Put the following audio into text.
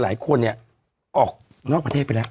หลายคนเนี่ยออกนอกประเทศไปแล้ว